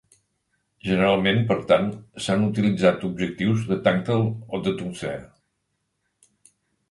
Generalment, per tant, s'han utilitzat objectius de tàntal o tungstè.